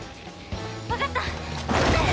わかった！